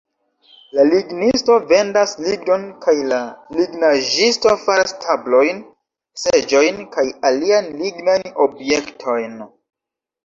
La lignisto vendas lignon, kaj la lignaĵisto faras tablojn, seĝojn kaj aliajn lignajn objektojn.